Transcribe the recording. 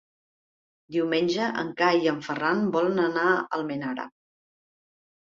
Diumenge en Cai i en Ferran volen anar a Almenara.